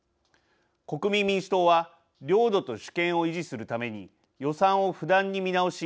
国民民主党は領土と主権を維持するために予算を不断に見直し